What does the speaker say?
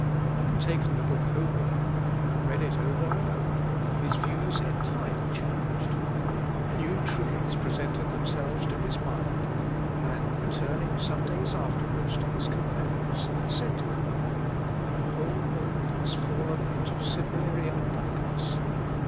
Having taken the book home with him, and read it over and over, his views entirely changed; new truths presented themselves to his mind, and returning some days afterwards to his companions, he said to them, "The whole world is fallen into Cimmerian darkness.